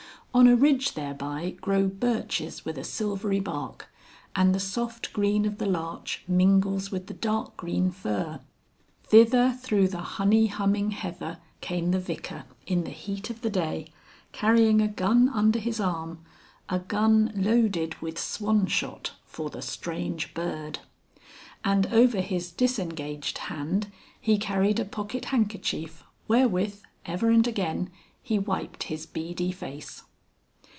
On a ridge thereby grow birches with a silvery bark, and the soft green of the larch mingles with the dark green fir. Thither through the honey humming heather came the Vicar, in the heat of the day, carrying a gun under his arm, a gun loaded with swanshot for the Strange Bird. And over his disengaged hand he carried a pocket handkerchief wherewith, ever and again, he wiped his beady face.